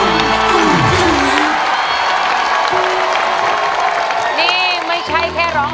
น้องเกลร้อง